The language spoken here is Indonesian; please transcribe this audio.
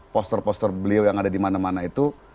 poster poster beliau yang ada di mana mana itu